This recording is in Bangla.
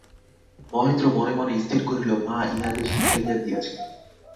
মহেন্দ্র মনে মনে স্থির করিল, মা ইহাদের শিখাইয়া দিয়াছেন।